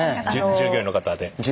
従業員の方？